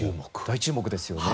大注目ですよね。